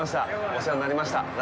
お世話になりました。